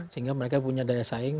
sehingga mereka punya daya saing